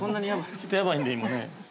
◆ちょっとやばいんで、今ね。